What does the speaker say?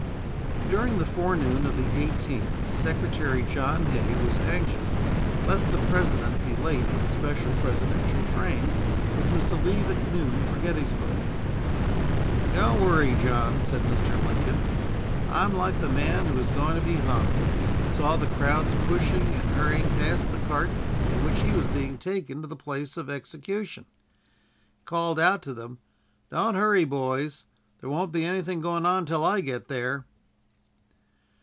During the forenoon of the 18th, Secretary John Hay was anxious lest the President be late for the special Presidential train, which was to leave at noon for Gettysburg. "Don't worry, John," said Mr. Lincoln. "I'm like the man who was going to be hung, and saw the crowds pushing and hurrying past the cart in which he was being taken to the place of execution. He called out to them: 'Don't hurry, boys. There won't be anything going on till I get there!'"